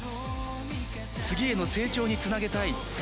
次への成長につなげたい。